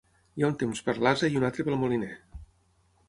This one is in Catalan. Hi ha un temps per l'ase i un altre pel moliner.